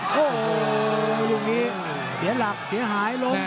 โอ้โหลูกนี้เสียหลักเสียหายล้ม